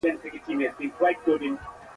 لور دي هم نه کوم.